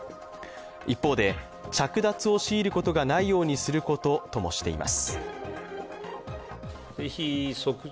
一方で、着脱を強いることがないようにすることともしています。